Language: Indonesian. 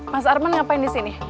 mas arman ngapain disini